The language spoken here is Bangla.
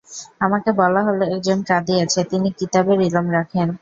আমাকে বলা হল, একজন পাদ্রী আছে, তিনি কিতাবের ইলম রাখেন।